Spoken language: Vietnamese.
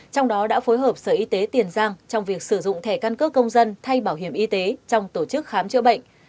trong đó đã phối hợp sở y tế tiền giang trong việc sử dụng thẻ căn cước công dân thay bảo hiểm y tế trong tổ chức khám chữa bệnh